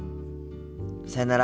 さよなら。